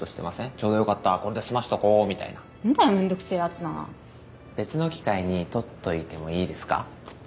ちょうどよかったこれで済ましとこうみたいななんだよめんどくせえやつだな別の機会に取っといてもいいですか？